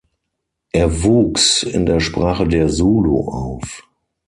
Er wuchs in der Sprache der Zulu auf.